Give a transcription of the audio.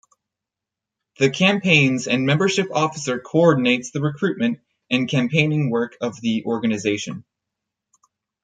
The Campaigns and Membership Officer co-ordinates the recruitment and campaigning work of the organisation.